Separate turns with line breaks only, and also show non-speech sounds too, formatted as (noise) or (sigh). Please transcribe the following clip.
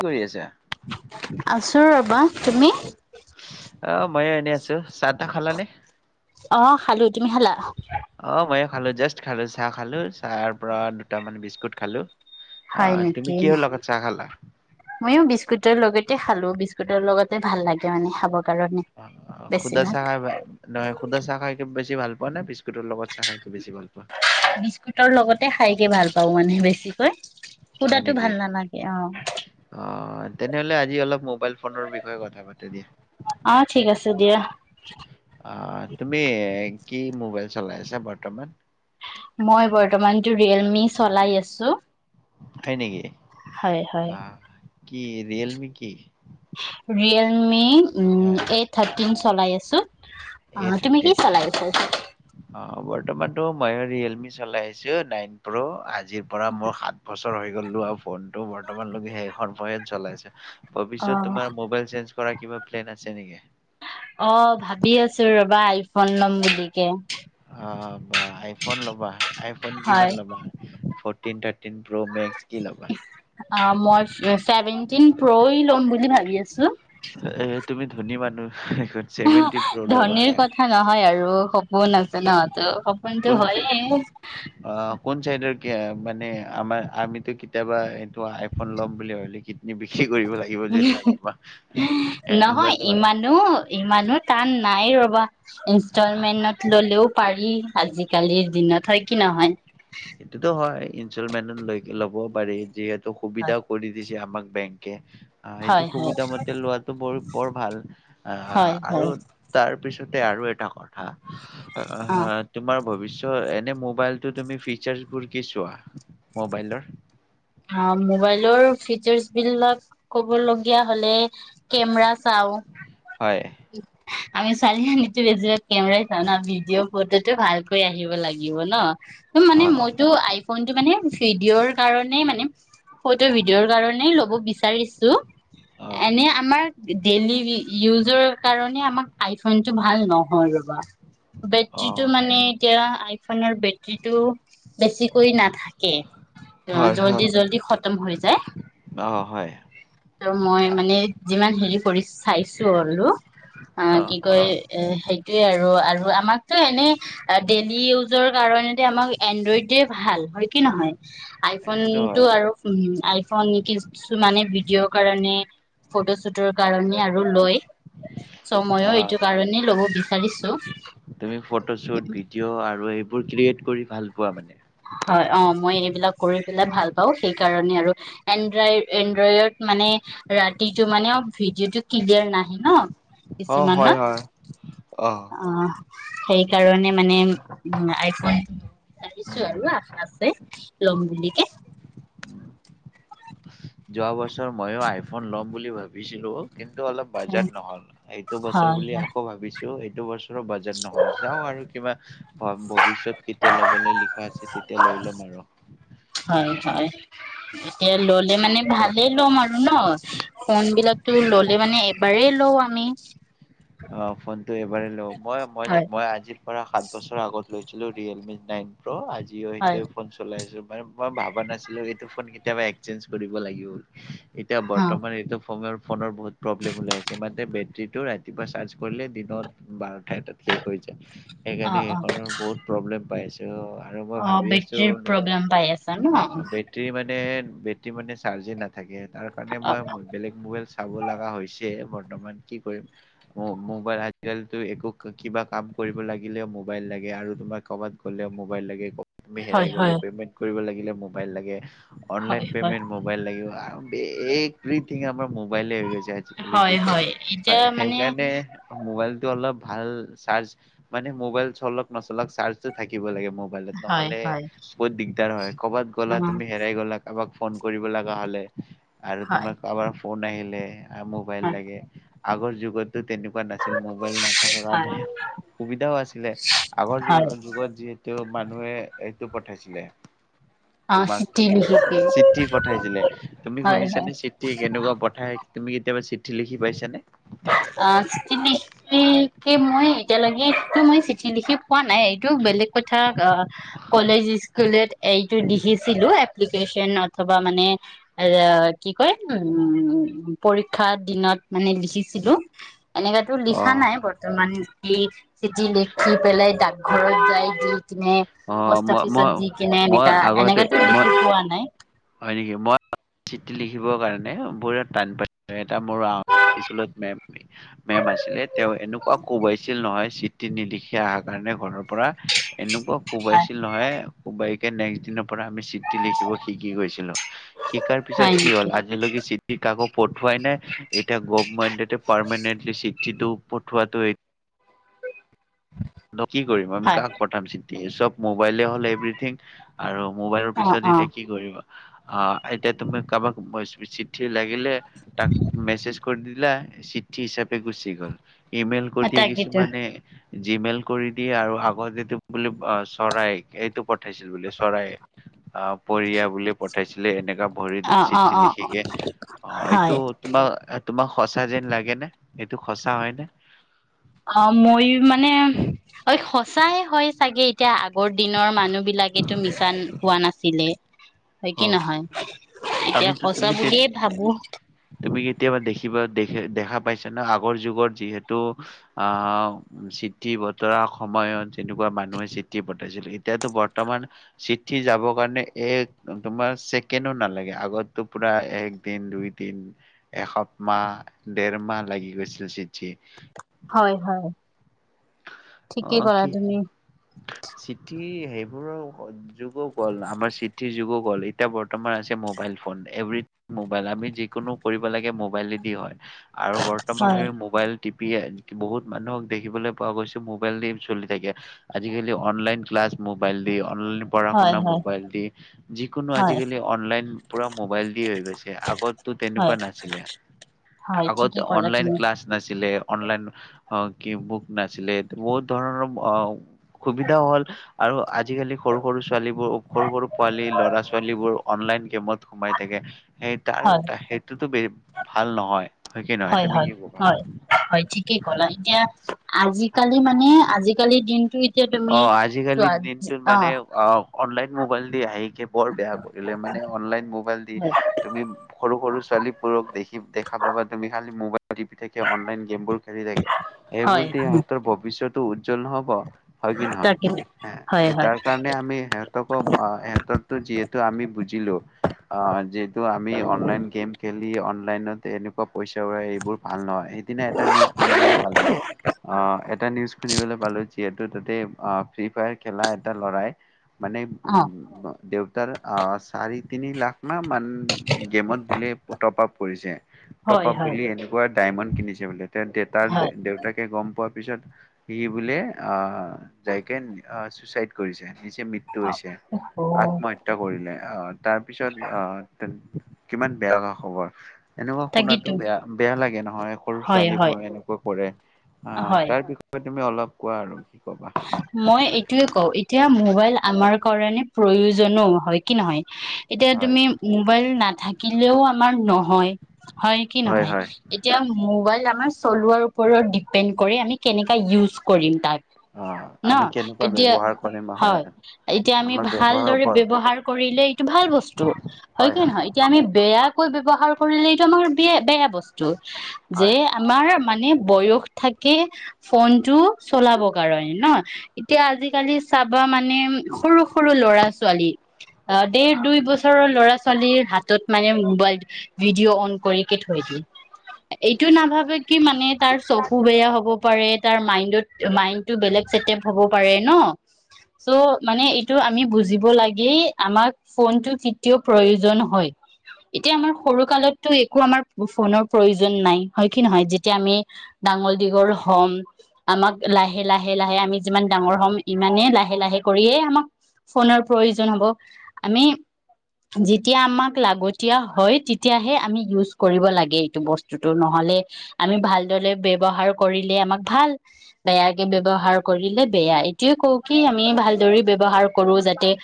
কি কৰি আছা?
আছো ৰ'বা। তুমি?
অ', ময়ো এনে আছো চাহ তাহ খালানে?
অ', খালো, তুমি খালা?
অ', মইয়ু খালো, জাষ্ট খালো, চাহ খালো। তাৰ পৰা দুটামান বিস্কুট খালো।
হয়
অ' তুমি
নেকি?
কিহৰ লগত চাহ খালা?
ময়ো বিস্কুটৰ লগতে খালো বি লৰ লগতে ভাল লাগে মানে খাব
খুদা চাহ খাই নহয় ক্ষুদা চাহ খাই বেছি ছি ভাল পোৱা নে বিস্কুটৰ লগত চাহ খাই বেছি ভাল পোৱা?
বিস্কুটৰ লগতে খাইকে ভাল পাওঁ মানে বেছিকৈ।
হয়
সুদাটো ভাল
নেকি?
নালাগে অ
অ', তেনেহলে আজি অলপ মো মোবাইল ফোনৰ বিষয়ে কথা পাতো দিয়া।
অ', ঠিক আছে দিয়া।
অ', তুমি কি মোবাইল চলাই আছা বৰ্তমান।
মই বৰ্তমানতটো ৰিয়েল মি চলাই আছো।
হয় নেকি?
হয় হয়
অহ। কি ৰিয়েলমি কি?
ৰিয়েলমি
অ
এইট থাৰ্টিন চলাই আছো।
এ থাৰ্টি এইট
অ', তুমি কি
হাণ্ড্ৰেড
চলাইছা?
অ', বৰ্তমানতটো মই ৰিয়েলমি চলাই আহিছো নাইন প্ৰ' আজি আজিৰ পৰা মোৰ সাত বছৰ হৈ লোৱা ফোন টো বৰ্তমানলৈকে সেইখন ফনে চলাইছে
অ
ভৱিষ্য তোমাৰোবাইল চেঞ্জ কৰা কিবা প্লেন আছে নেকি?
অ', ভাবি আছো ৰবা আইফোন ল'ম বুলিকে।
অ', বা আইফোন ল'বা। আইফোন কিমান
হয়
ল'বা তিনি তাত
অ', মই চেভেন তিন প্ৰ য়ে লম বুলি ভাবি আছো।
এ তুমি ধনী মানুহ। চেভেনটি প্ৰ' ল'বা।
ধনীৰ কথা নহয় আৰু। সপোন আছে নহ, তো সপোনতো
কোন
হয়ে।
অ', কোন চাইডৰ মানে আমাৰ আমিতো কেতিয়াবা এইটো আইফোন ল'ম বুলি ভলে
নহয়
এনেকুৱাতো হয়।
ইমানো-ইমানো টান নাই ৰবা। ইনষ্টলমেন্টত ল'লেও পাৰি আজিকালিৰ দিনত হয় কি নহয়।
সেইটোতো হয় ইনষ্টলমেন্টত লৈ ল'ব পাৰি যিহে সুবিধা কৰি দিছে। যে আমাক বেংকে অ'
হয়
এইটো
হয়
সুবিধা মতে লোৱাটো বাৰু বৰ ভাল। অ'
হয়
আৰু
হয়
তাৰ পিছত তাতে আৰু এটা কথা
অ
নাই তো এনে মোবাইলতটো চেল বোল কৰে চোৱা মোবাইলৰ,
অ মোব
হয়,
আমি চাৰিও তো মানে
অ
মইতটো আইফোনটো মানে ভিডিঅ'ৰ কাৰণ, নাই মানে ফটো ভিডিঅ'ৰ কাৰণে ল'ব বিচাৰিছো।
অ
এনেই আমাৰ নাই!
অ
বেটীটো মানে এতিয়া, আইফোনৰ বেটৰীটো বেছিকৈ নাথাকে। অ'
হয় হয়
জল্দি জল্দি খতম হৈ যায়।
অ হয়
ত মই মানে যিমান হেৰি কৰি চাইছো হ'লো। অ' কি কয় এই এইয়ে আৰু, আৰু আমাকতো এনে ডেইলি ইউজৰ কাৰণে এনড্ৰইডয়ে ভাল, হয় কি নহয়? আইফোন
সেইটোতো
টো
হয়
আৰু আই ফোন কিছুমানে বি ভিডিঅ'ৰ কাৰণে ফটোশ্বুটৰ কাৰণে আৰু লয় চ' ময়ো
অ
এইটো কাৰণেই লব বিচাৰিছো।
বোৰ ক্ৰিয়েট কৰি ভাল পোৱা মানে
হয় অম!
অ হয় হয়!
অ, সেইকাৰণে মানে আই ফোন,
উম যোৱা বছৰ ময়ো আইফোন লম বুলি ভাবিছিলো। কিন্তু অলপ বাজেত নহল এইটো বছৰ
হয়
বুলি
হয়।
আকৌ ভাবিছো! দুবচ বাজেট নহল চাও আৰু কিবা নাই,
হয় হয়! ই মানে ভালে ল'ম আৰু ন ফোন বিলাক নাই,
অ' ফোনটো এবাৰে লও মই, মই যে
হয়
মই আজি পৰা সাত বছৰৰ আগত লৈছিলো ৰিয়েলমি নাইন প্ৰ আজি যি অ
হয়।
সেইটোৱে ফোন চলাই আছো। মানে মই ভাবা নাছিলো, এইটো ফোন কেতিয়াবা এক্সচেঞ্জ কৰিব লাগিব বুলি এতিয়া
অ
বৰ্তমান এইটো ফৰ ফোনৰ বহুত প্ৰব্ম ওলাই আছে, তাতে বেটেৰীটো ৰা এবাৰ চাৰ্জ কৰিলে দিনত দুবাৰ এটাত কি কৰিছে
অ
সেইকাৰণে
অ
সেইখনৰ বহুত প্ৰব্লেম পাই আছো। ত' আৰু মই
অ
ভাবি আছো,
বেটৰীৰ প্ৰব্লেম পাই আছা ন
বেটেৰী মানে বেটৰী মানে চাৰ্জে নাথাকে। তাৰ কাৰণে
অ।
মই বেলেগ মবাইল চাব লগা হৈছে বৰ্তমান কি কৰিম। মোবাইল আজিকালিটো একো কিবা কাম কৰিব লাগিলেও মোবাইল লাগে আৰু তোমাৰ কৰবাত গ'লেও মোবাইল লাগে আমি হেৰাই
হয়
গলে
হয়
পেমেণ্ট কৰিব লগে। আহিলে মোবাইল লাগে অনলাইন
হয় হয়।
পেমেট মবাইল লাগিব। এভৰিথিং আমাৰ মোবাইলে হৈ গৈছে। আজিকালি
হয়
যুগত
হয় এতিয়া
হয়।
মানে
সেইকাৰণে মোবাইল অলপ ভাল চাৰ্জ মানে মোবাইল চলক নচলক চাৰ্জটো থাকিব লাগে। মোবাইলত
হয়
নহ'লে
হয়
বহুত দিগদাৰ হয় কৰ'বাত
অ
গ'লা তুমি হেৰাই গ'লা, কাৰবাক ফোন কৰিব লগা হ'লে, আৰু
হয়।
তোমাৰ কাবাৰ ফোন আহিলে, মোবাইল
হয়
লাগে, আগৰ যুগ তেনেকুৱা নাছিল মোবাইল নাথকাৰ
হয়
কাৰণে সুবিধাও আছিলে আগৰ য ও
হয়
ও যুগত যিহেত তেওঁ মানুহে এইটো পঠাইছিলে।
অ
তোমাক
চিঠি লিখিকে
চিঠি পঠাইছিলে তুমি
হয় হয়।
শুনিছানে চিঠি কেনেকুৱা পঠাই তুমি কেতিয়াবা চিঠি পুঠি লিখি পাইছে নে?
আ তিনি কি মই এতিয়ালৈকে সটো মই চিঠি লিখি পোৱা নাই এইটো বেলেগ কথা কলেজ স্কুলত এইটো লিখিছিলো, এপ্লিকেশ্যন অথবা মানে এ কি কয় উ পৰীক্ষাৰ দিনত মানে লিখিছিলোঁ। এনেকাতো
অ
লিখা নাই বৰ্তমান। লিখ চিঠী লেখি পেলাই ডাকঘৰ যাই যে। কিনে
অ মই
পুষ্টঅফিত
মই
দি কিনে
মই
এনেকা
আগতে
এনেকাতো
মই
লিখি পোৱা নাই।
হয় নেকি মই চিঠি লিখিব কাৰণে মোইও টান পাইছিলোঁ। এটা মোৰ স্কুলত মেম আছিলে তেওঁ এনেকুৱা কোবাইছিল নহয় চিঠি নিদিলি অহাৰ কাৰণে ঘৰৰ পৰা। এনেকুৱা
হয়
কোবাইছিল নহয়। কোবাই একে নেক্স দিনৰ পৰা আমি চিঠি লিখিব শিক। শিকি গৈছিলো। শিকাৰ
হয়
পিছত কি
নেকি
হ'ল আজিলৈকে চিঠি কাকো পঠুৱাই নাই এতিয়া গভমেণ্টে পাৰমেনেটলি চিঠি চিঠীটো পঠোৱাটো এই ত কি কৰিম আমি
হয়
কাক পঠাম চিঠি, এই চব মোবাইলে হ'ল এভৰিথিং আৰু মোবাইলৰ
অ',
পিছত
অ',
এতিয়া কি কৰিবা। অ' এতিয়া তুমি কাবাক চিঠি। লাগিলে তাক মেচেজ কৰি দি। দিলা চিঠি হিচাপে গুচি গ'ল ইমেইল কৰি দিয়ে
তাকেইতো
কিছুমানে। জিমেইল। কৰি দিয়ে আৰু আগৰ যিটো বোলে চৰাই এইটো বত। পঠাইছিল বুলি চৰাই অহ পৰিয়া বুলি পঠাইছিলে এনেকুৱা ভৰিত
অ', অ',
চিঠি
অ',
লিখিকে অঁ এইটো
হয়।
তোমাৰ। তোমাক সঁচা যেন লাগে নে এইটো সঁচা হয়নে।
অঁ মইও মানে অ সঁচাই হয় চাগে এতিয়া আগ। আগৰ দিনৰ মানুহ বিলাকেতো মিছা কোৱা নাছিলে। হয়
অ
কি নহয় এতিয়া
আমিতো
সঁচা
তুমি তে
বুলিয়ে ভাবো।
তুমি কেতিয়াবা দেখিবা দেখে দেখা পাইছানে আগৰ যুগত যিহেতু আহ চিঠি বতৰা সময়ত যেনেকুৱা মানুহে চিঠি পঠাইছিল এতিয়াতো বৰ্তমান চিঠি যাবৰ কাৰণে এক। তোমাৰ ছেকেণ্ডো নালাগে আগতো পুৰা একদিন দুই দিন এসপ মাহ দেৰ মাহ লাগি গৈছিলে চিঠি।
হয় হয়। ঠিকেই
অঁ
কৰা
কি
তুমি
চিঠি। সেইবোৰৰ যুগো গল আমাৰ চিঠিৰ যুগো গল এতিয়া বৰ্তমান আছে মবাইল ফোন এভ্ৰিঠিং মোবাইল আমি যিকোনো কৰিব লাগে মোবাইলেদি হয়। আৰু বৰ্তমান
হয়
আমি মোবাইল। টিপি বহুত মানুহক দেখিবলৈ পোৱা গৈছে। মোবাইল দি চলি থাকে আজিকালি অনলাইন ক্লাছ মোবাইল দি। অনলাইন পঢ়া
হয়
শুনা
হয়
মবাইল দি যিকোনো
হয়
আজিকালি অনলাইন পুৰা মোবাইল দি হৈ গৈছে আগতো
হয়
তেনেকুৱা নাছিলে
হয়
আগত
ঠিকেই ক'লা
অনলাইন
তুমি
ক্লাছ নাছিলে অনলাইন। অ' কি মোক নাছিলে। বহুত ধৰণৰ সুবিধাও হল আৰু আজিকালি সৰু সৰু ছোৱালীবোৰ সৰু সৰু পোৱালী ল'ৰা ছোৱালীবোৰ অনলাইন গেমত সোমাই থাকে। সেই তাৰ
হয়
সেইটোতো বে ভাল নহয় কি নহয়
হয়
তুমি
হয়
কি ভাবা
হয় হয় ঠিকেই কলা এতিয়া আজি কালি মানে আজিকালিৰ দিনটো এতিয়া তুমি
অ' আজিকালি
চোৱা
দিনটোত মানে অ' অনলাইন মোবাইল দি আহে বৰ বেয়া কৰিলে মানে অনলাইন মোবাইল দি তুমি সৰু সৰু ছোৱালীবোৰক দেখিম দে খাবা তুমি খালি মোবাইল টিপি থাকে অনলাইন গেমবোৰ খেলি থাকে সেবোৰ
হয়
দি
হয়
সিহঁতৰ ভৱিষ্যত টো উজ্জ্বল নহব হয় কি নহয়
তাকে হয় হয়
তাৰ কাৰণে আমি সিহঁতকো সিহঁতকো যিহেতু আমি বুজি বুজিলো যে ত' আমি অনলাইন গেম খেলি অন অনলাইনত এনেকুৱা পইচা এইবোৰ ভাল নহয়। সেইদিনা এটা নিউজ শুনিবলৈ পালোঁ। অ'! এটা নিউজ শুনিবলৈ পালোঁ। যিহেত তাতে অ'! ফ্ৰী ফায়াৰ খেলা এটা ল'ৰাই মানে,
অ
উম! দেউ তাৰ চাৰে তিনি লাখ না (unintelligible) গেমত বোলে (unintelligible)
হয়
টপাপ
হয়
বুলি এনেকুৱা ডায়মণ্ড কিনিছে বোলে। তেওঁৰ দেউতাৰ,
হয়
দেউতাকে গম পোৱা তাৰ পিছত সি বোলে অ'! যাইকে চুইচাইড কৰিছে। নিজে মৃত্যু
অ
হৈছে। আত্মহত্যা কৰিলে। অ'! তাৰপিছত অ'! কিমান বেয়া লগা খবৰ! এনেকুৱা শুনাতো
তাকেতো
বেয়া, বেয়া লাগে নহয় সৰু
হয় হয়
ছোৱালীবোৰ এনেকুৱা কৰে। আ'
হয়
তাৰপিছত তুমি অলপ কোৱা আৰু কি ক
মই এইটোয়ে কও, এতিয়া মোবাইল আমাৰ কাৰণে প্ৰয়োজনো হয় কি নহয়। এতিয়া
হয়
তুমি মোবাইল নাথাকিলেও আমাৰ ন' হয়! হয় কি নহয়। এতিয়া মোবাইল আমাৰ চলোৱাৰ ওপৰত ডিপেণ্ড কৰে আমি কেনেকা ইউজ কৰিম তাক।
অ আমি
ন'।
কেনেকুৱা
এতিয়া,
ব্যৱহাৰ কৰিম
হয়! এতিয়া আমি
আমাৰ ব্যৱহাৰৰ
ভালদৰে
ওপৰত
ব্যৱহাৰ কৰিলে এইটো ভাল বস্তু হয় কি নহয়, এতিয়া আমি বেয়া (unintelligible) ব্যৱহাৰ কৰিলে এইটো আমাৰ বেয়া-বেয়া বস্তু। (unintelligible) যে,
হয়
আমাৰ মানে বয়স থাকে, ফোনটো চলাব কাৰণে ন'। এতিয়া আজিকালি চাবা মানে, সৰু-সৰু ল'ৰা-ছোৱালী, ডেৰ, দুই বছৰৰ ল'ৰা-ছোৱালীৰ হাতত মানে মোবাইল, ভিডিঅ' অন কৰিকে থৈ দিয়ে। এইটো নাভাবে কি মানে তাৰ চকু বেয়া হ'ব। পাৰে, তাৰ মাইণ্ডত, মাইণ্ড বেলেগ হব পাৰে ন'। চ' মানে, এইটো আমি বুজিব লাগে, আমাক ফোনটো কেতিয়াও প্ৰয়োজন হয়! এতিয়া আমাৰ সৰু কালতটো একো আমাৰ ফোনৰ প্ৰয়োজন নাই হয় কি নহয়, যেতিয়া আমি ডাঙৰ দীঘল হ'ম, আমাক ল লাহে লাহে আমি যিমান ডাঙৰ হ'ম ইমানেই লাহে লাহে কৰিয়ে আমাক ফোনৰ প্ৰয়োজন হ'ব। আমি যেতিয়া আমাক লাগতিয়া হয়, তেতিয়াহে আমি ইউজ কৰিব লাগে এইটো বস্তুতটো, নহ'লে আমি ভালদৰে ব্ৱহাৰ কৰিলে আমাক ভাল, বেয়া ব্ৱহাৰ কৰিলে বেয়া। এইটোয়ে কওঁ কি আমি ভালদৰে ব্যৱহাৰ কৰো যাতে।